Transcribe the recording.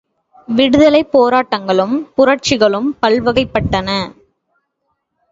விடுதலைப் போராட்டங்களும் புரட்சிகளும் பல்வகைப்பட்டன.